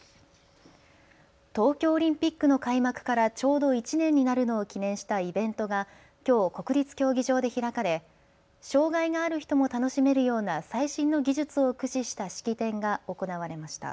東京オリンピックの開幕からちょうど１年になるのを記念したイベントがきょう国立競技場で開かれ障害がある人も楽しめるような最新の技術を駆使した式典が行われました。